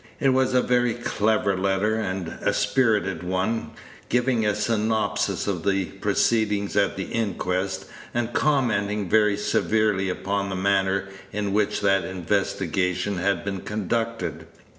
It was a very Page 165 clever letter, and a spirited one, giving a synopsis of the proceedings at the inquest, and commenting very severely upon the manner in which that investigation had been conducted.